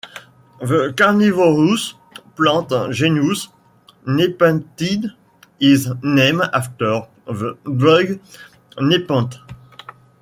The carnivorous plant genus "Nepenthes" is named after the drug nepenthe.